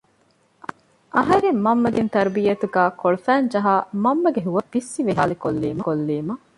އަހަރެން މަންމަ ދިން ތަރުބިއްޔަތުގައި ކޮޅުފައިންޖަހާ މަންމަގެ ހުވަފެންތައް ވިއްސި ވިހާލި ކޮއްލީމަ